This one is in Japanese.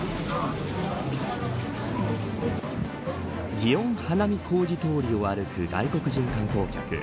祇園花見小路通を歩く外国人観光客。